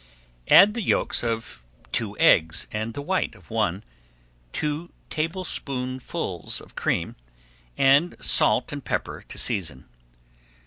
Add the yolks of two eggs and the white of one, two tablespoonfuls of cream, and salt and pepper to season.